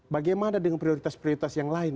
bagaimana dengan prioritas prioritas yang lain